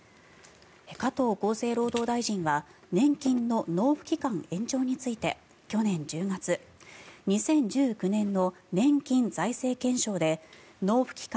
加藤厚生労働大臣は年金の納付期間延長について去年１０月２０１９年の年金財政検証で納付期間